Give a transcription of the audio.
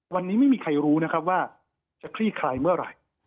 วันนี้ไม่มีใครรู้นะครับว่าจะคลี่คลายเมื่อไหร่